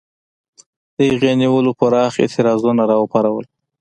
د هغې نیولو پراخ اعتراضونه را وپارول.